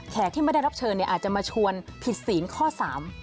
ที่ไม่ได้รับเชิญเนี่ยอาจจะมาชวนผิดศีลข้อสาม